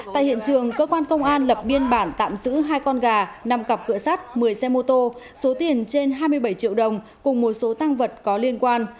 tại hiện trường cơ quan công an lập biên bản tạm giữ hai con gà năm cặp cửa sắt một mươi xe mô tô số tiền trên hai mươi bảy triệu đồng cùng một số tăng vật có liên quan